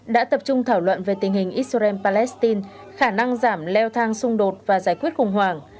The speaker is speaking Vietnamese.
đã tập trung thảo luận về tình hình israel palestine khả năng giảm leo thang xung đột và giải quyết khủng hoảng